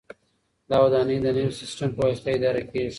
دا ودانۍ د نوي سیسټم په واسطه اداره کیږي.